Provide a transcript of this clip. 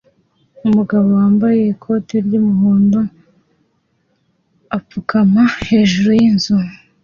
Umugabo wambaye ikoti ry'umuhondo apfukama hejuru y'inzu